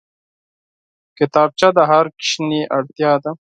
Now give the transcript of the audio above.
کتابچه د هر ماشوم اړتيا ده